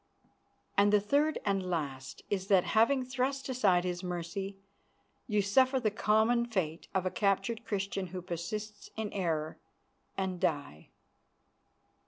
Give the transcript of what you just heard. "And the third and last is that, having thrust aside his mercy, you suffer the common fate of a captured Christian who persists in error, and die."